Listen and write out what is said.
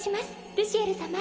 ルシエル様